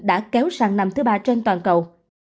đã kéo sang năm thứ ba trên toàn cầu